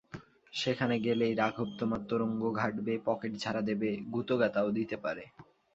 সেখানে গেলেই রাঘব তোমার তোরঙ্গ ঘাঁটবে, পকেট ঝাড়া দেবে, গুঁতোগাঁতাও দিতে পারে।